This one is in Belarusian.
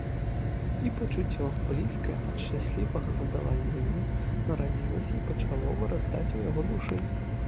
І пачуццё, блізкае ад шчаслівага задавалення, нарадзілася і пачало вырастаць у яго душы.